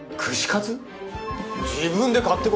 自分で買ってこい！